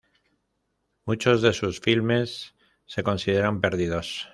Muchos de sus filmes se consideran perdidos.